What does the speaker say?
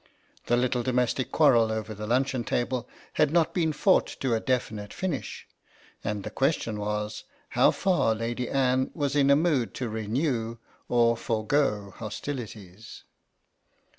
The little domestic quarrel over the luncheon table had not been fought to a definite finish, and the question was how far Lady Anne was in a mood to renew or forgo hostilities.